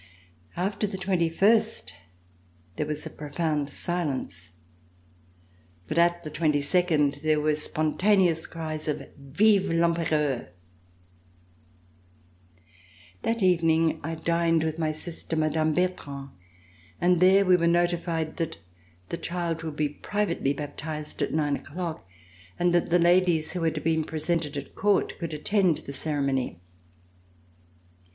After the twenty first, there was a profound silence, but at the twenty second, there were spontaneous cries of: "Vive TEmpereurl" That evening I dined with my sister, Mme. Bertrand, and there we were notified that the child would be privately baptized at nine o'clock and that the ladies who had been presented at Court could attend the ceremony.